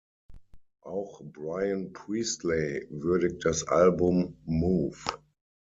Auch Brian Priestley würdigt das Album "Move!